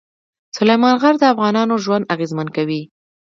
سلیمان غر د افغانانو ژوند اغېزمن کوي.